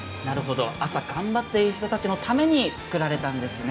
朝頑張っている人たちのために作られたんですね。